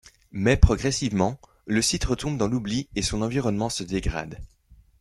Mais progressivement, le site retombe dans l’oubli et son environnement se dégrade.